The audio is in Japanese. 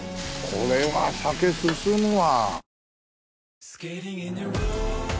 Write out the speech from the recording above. これは酒進むわ。